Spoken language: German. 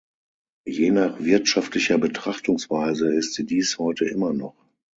Je nach wirtschaftlicher Betrachtungsweise ist sie dies heute immer noch.